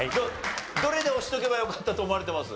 どれで押しておけばよかったと思われてます？